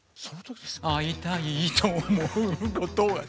「逢いたいと思うことが」